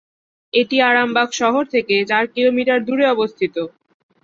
এটি আরামবাগ শহর থেকে চার কিলোমিটার দূরে অবস্থিত।